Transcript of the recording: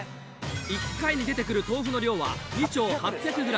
１回に出てくる豆腐の量は２丁８００ｇ。